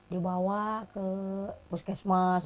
dibawa ke puskesmas